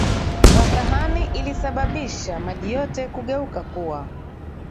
wa sahani ilisababisha maji yote kugeuka kuwa